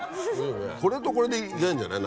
これとこれでいけんじゃない？